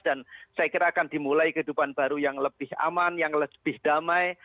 saya kira akan dimulai kehidupan baru yang lebih aman yang lebih damai